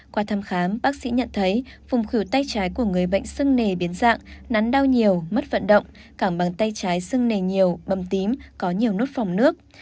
qua thăm khám bác sĩ nhận thấy vùng khỉu tay trái của người bệnh sưng nề biến dạng nắn đau nhiều mất vận động cẳng bàn tay trái sưng nề nhiều bầm tím có nhiều nốt phòng nước